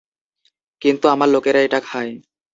কিন্তু আমার লোকেরা এটা খায়।